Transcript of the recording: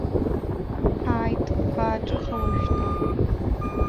Ҳааит, бааҿыха уажәшьҭа.